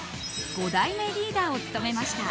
５代目リーダーを務めました。